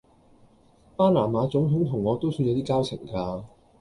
巴拿馬總統同我都算有啲交情㗎